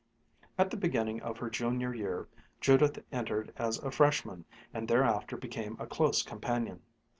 At the beginning of her Junior year, Judith entered as a Freshman and thereafter became a close companion.